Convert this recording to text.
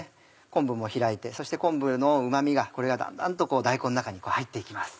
昆布も開いてそして昆布のうま味がだんだんと大根の中に入って行きます。